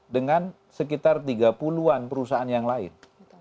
dengan sekitar tiga puluh an perusahaan yang lain